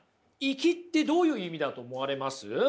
いきってどういう意味だと思われます？